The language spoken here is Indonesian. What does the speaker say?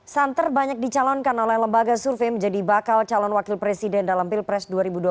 santer banyak dicalonkan oleh lembaga survei menjadi bakal calon wakil presiden dalam pilpres dua ribu dua puluh